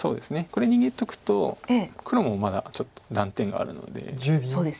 これ逃げとくと黒もまだちょっと断点があるので。